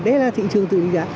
đấy là thị trường tự định giá